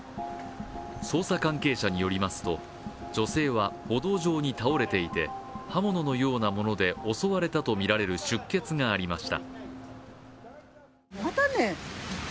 捜査関係者によりますと女性は歩道上に倒れていて、刃物のようなもので襲われたとみられる出血がありました。